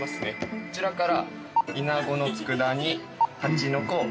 こちらから。